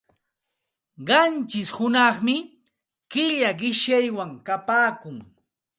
Qanchish hunaqmi killa qishyaywan kapaakun.